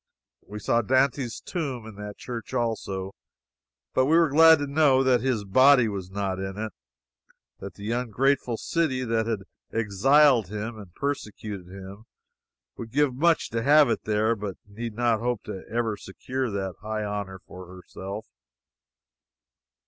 We saw Dante's tomb in that church, also, but we were glad to know that his body was not in it; that the ungrateful city that had exiled him and persecuted him would give much to have it there, but need not hope to ever secure that high honor to herself.